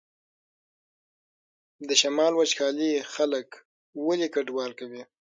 د شمال وچکالي خلک ولې کډوال کوي؟